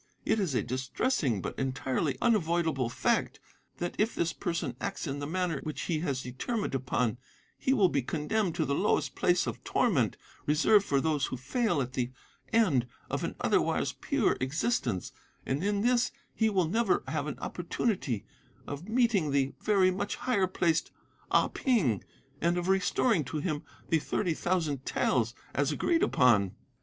It is a distressing but entirely unavoidable fact, that if this person acts in the manner which he has determined upon, he will be condemned to the lowest place of torment reserved for those who fail at the end of an otherwise pure existence, and in this he will never have an opportunity of meeting the very much higher placed Ah Ping, and of restoring to him the thirty thousand taels as agreed upon.